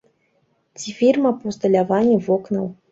Ці фірма па ўсталяванні вокнаў.